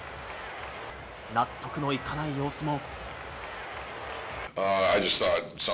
納得のいかない様子も。